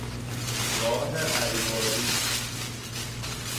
راه الواری